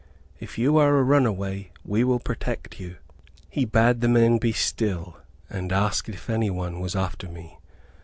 If you are a run away, we will protect you." He bade the men be still and asked if any one was after me.